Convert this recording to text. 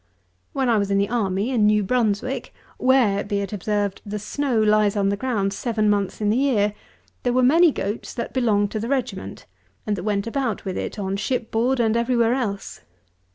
When I was in the army, in New Brunswick, where, be it observed, the snow lies on the ground seven months in the year, there were many goats that belonged to the regiment, and that went about with it on shipboard and every where else.